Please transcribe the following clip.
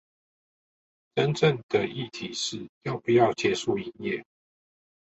真正的議題是要不要結束營業